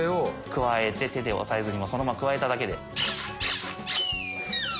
くわえて手で押さえずにもうそのままくわえただけで。